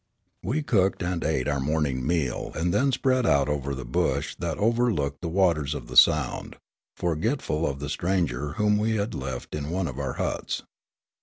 We cooked and ate our morning meal, and then spread out over the bush that overlooked the waters of the sound, forgetful of the stranger whom we had left in one of our huts.